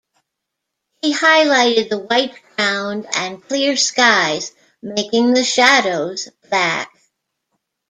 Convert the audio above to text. He highlighted the white ground and clear skies, making the shadows black.